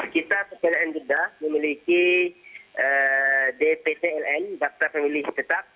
kita ppn jeddah memiliki dpcln daktar pemilih tetap